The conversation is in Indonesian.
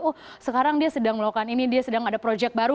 oh sekarang dia sedang melakukan ini dia sedang ada project baru